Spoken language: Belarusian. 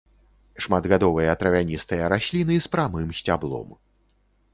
Шматгадовыя травяністыя расліны з прамым сцяблом.